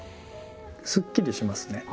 すっきりしますね。